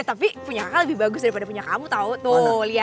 eh tapi punya kakak lebih bagus daripada punya kamu tahu tuh lihat